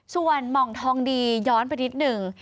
ส่วนหม่องทองดีย้อนไปนิดหนึ่ง